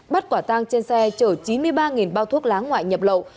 bắt quả tang trên xe chở chín mươi ba bao thuốc lá ngoại nhập lậu